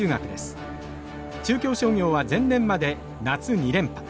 中京商業は前年まで夏２連覇。